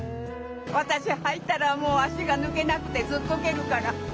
私入ったらもう足が抜けなくてずっこけるから。